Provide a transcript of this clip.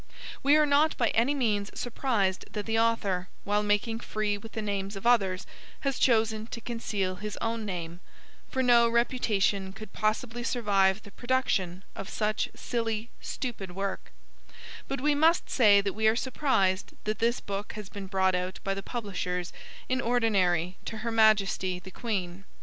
We are not by any means surprised that the author, while making free with the names of others, has chosen to conceal his own name; for no reputation could possibly survive the production of such silly, stupid work; but we must say that we are surprised that this book has been brought out by the Publishers in Ordinary to Her Majesty the Queen.